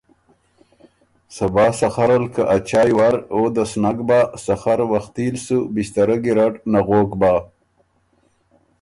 صبا سخر ال که ا چاۍٛ ور، او د سو نک بَۀ، سخر وختي ل سُو بِݭترۀ ګېرډ نغوک بَۀ۔